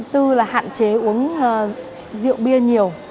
thứ tư là hạn chế uống rượu bia nhiều